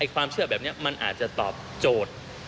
ความเชื่อแบบนี้มันอาจจะตอบโจทย์